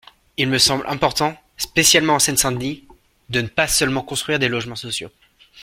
Il me semble important, spécialement en Seine-Saint-Denis, de ne pas seulement construire des logements sociaux.